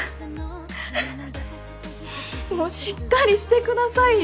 もうしっかりしてくださいよ